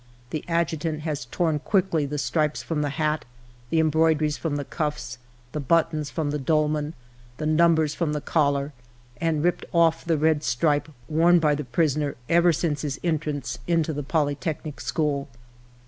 The adjutant has torn quickly the stripes from the hat, the embroideries from the cuffs, the buttons from the dolman, the num bers from the collar, and ripped off the red stripe worn by the prisoner ever since his entrance into the Poly technic School.